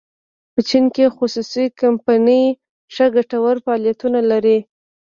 په چین کې خصوصي کمپنۍ ښه ګټور فعالیتونه لري.